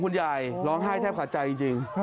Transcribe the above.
คุณยายร้องไห้แทบขาดใจจริง